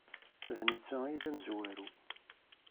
D netta ay d amezwaru.